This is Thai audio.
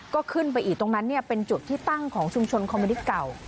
ก็ขึ้นไปอีกตรงนั้นเป็นจุดที่ตั้งของชุมชนคอมมินิตเก่า